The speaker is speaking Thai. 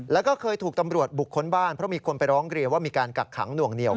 แล้วก็เคยถูกตำรวจบุกค้นบ้านเพราะมีคนไปร้องเรียนว่ามีการกักขังหน่วงเหนียว